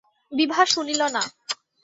বিভা শুনিল না।